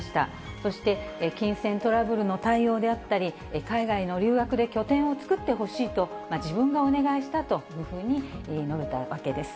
そして、金銭トラブルの対応であったり、海外の留学で拠点を作ってほしいと、自分がお願いしたというふうに述べたわけです。